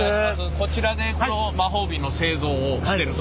こちらでこの魔法瓶の製造をしてるという。